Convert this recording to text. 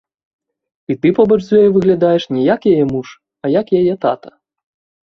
І ты побач з ёй выглядаеш не як яе муж, а як яе тата.